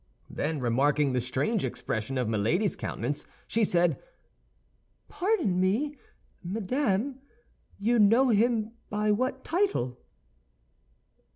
Then remarking the strange expression of Milady's countenance, she said, "Pardon me, madame; you know him by what title?"